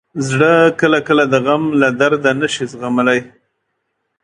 زړه کله کله د غم له درده نه شي زغملی.